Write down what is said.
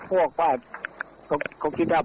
คุณผู้ชมไปฟังเสียงพร้อมกัน